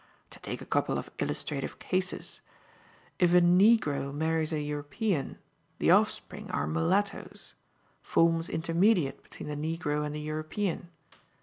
To take a couple of illustrative cases: If a negro marries a European, the offspring are mulattoes forms intermediate between the negro and the European.